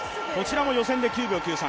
予選で９秒９３。